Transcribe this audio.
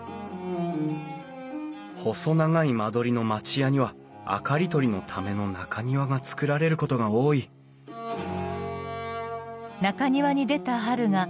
細長い間取りの町家には明かり取りのための中庭が造られることが多いあ？